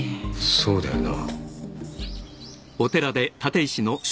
そうだよな。